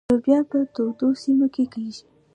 لوبیا په تودو سیمو کې کیږي.